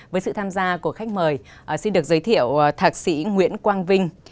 với sự tham gia của khách mời xin được giới thiệu thạc sĩ nguyễn quang vinh